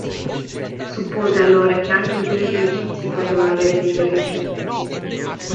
Suppose allora che anche i templi egizi potevano avere degli orientamenti.